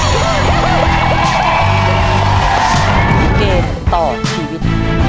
เกมต่อชีวิต